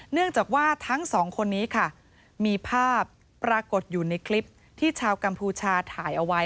เนื่องจากว่าทั้งสองคนนี้ค่ะมีภาพปรากฏอยู่ในคลิปที่ชาวกัมพูชาถ่ายเอาไว้